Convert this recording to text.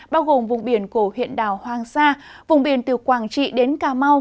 bao gồm vùng biển của huyện đảo hoàng sa vùng biển từ quảng trị đến cà mau